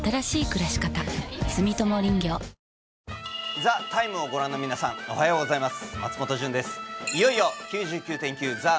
「ＴＨＥＴＩＭＥ，」を御覧の皆さん、おはようございます。